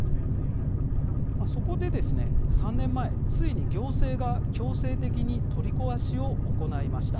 そこで３年前ついに行政が強制的に取り壊しを行いました。